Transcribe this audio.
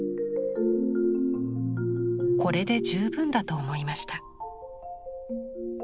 これで充分だと思いました。